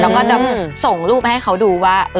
แล้วก็จะส่งรูปให้เขาดูว่า